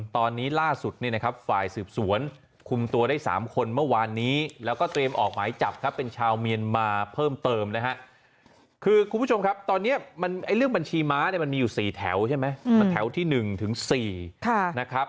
ตอนนี้ล่าสุดเนี่ยนะครับฝ่ายสูบสวน